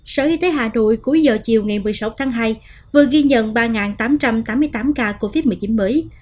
sở y tế hà nội cuối giờ chiều ngày một mươi sáu tháng hai vừa ghi nhận ba tám trăm tám mươi tám ca covid một mươi chín mới